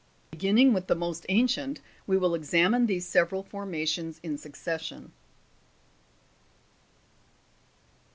Beginning with the most ancient, we will examine these several formations in succession.